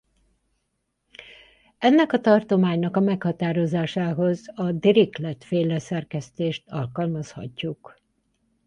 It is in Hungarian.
Ennek a tartománynak a meghatározásához a Dirichlet-féle szerkesztést alkalmazhatjuk.